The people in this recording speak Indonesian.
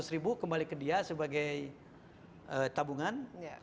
seratus ribu kembali ke dia sebagai tabungan